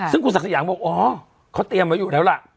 ซึ่งคุณศักดิ์สยามบอกอ๋อเขาเตรียมไว้อยู่แล้วล่ะ